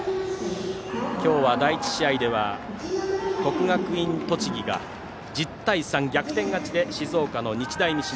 今日は第１試合では国学院栃木が１０対３、逆転勝ちで静岡の日大三島。